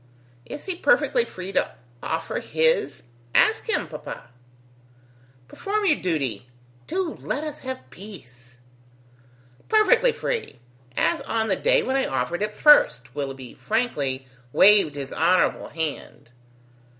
"Is he perfectly free to offer his? Ask him, papa." "Perform your duty. Do let us have peace!" "Perfectly free! as on the day when I offered it first." Willoughby frankly waved his honourable hand.